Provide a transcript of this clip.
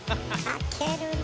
かけるね。